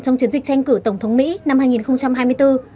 trong chiến dịch tranh cử tổng thống mỹ năm hai nghìn hai mươi bốn